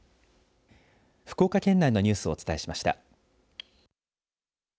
福岡県内のニュースをお伝えしました。